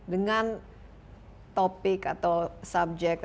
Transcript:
dengan topik atau subject